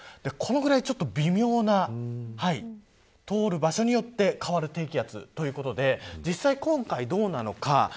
このぐらい、ちょっと微妙な通る場所によって変わる低気圧ということで実際、今回どうなのか。